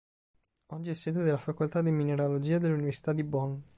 Oggi è sede della facoltà di Mineralogia dell'Università di Bonn.